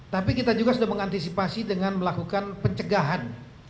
tapi kita juga sudah mengantisipasi dengan melakukan pencegahan